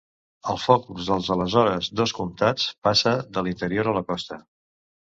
El focus dels aleshores dos comtats passà de l'interior a la costa.